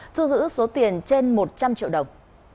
thu giữ số tiền trên một trăm linh triệu đồng